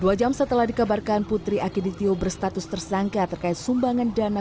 dua jam setelah dikabarkan putri akiditio berstatus tersangka terkait sumbangan dana